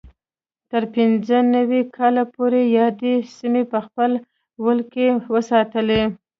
تر پینځه نوي کال پورې یادې سیمې په خپل ولکه کې وساتلې.